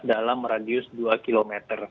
dalam radius dua km